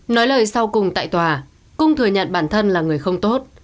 nói lời sau cùng tại tòa cung thừa nhận bản thân là người không tốt